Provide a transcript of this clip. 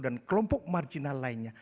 dan kelompok marginal lainnya